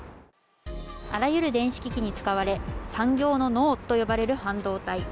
あらゆる電子機器に使われ産業の脳と呼ばれる半導体。